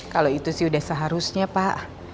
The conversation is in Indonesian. kalau itu sih udah seharusnya pak